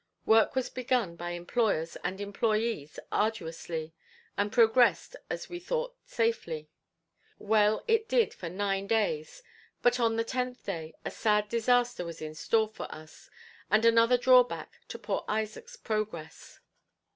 Work was begun by employers and employees arduously, and progressed as we thought safely. Well it did for nine days, but on the tenth day, a sad disaster was in store for us, and another draw back to poor Isaac's progress.